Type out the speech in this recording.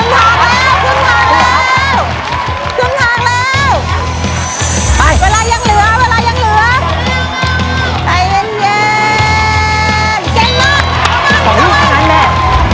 เวลายังเหลือเวลายังเหลือ